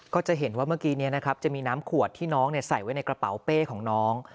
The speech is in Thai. ก็จะเห็นว่าเมื่อกี้นี้นะครับจะมีน้ำขวดที่น้องใส่ไว้ในกระเป๋าเป้ของน้อง